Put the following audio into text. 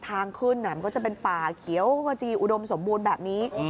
ทางขึ้นมันก็จะเป็นป่าเขียวขจีอุดมสมบูรณ์แบบนี้